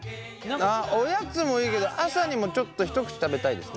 おやつもいいけど朝にもちょっと一口食べたいですね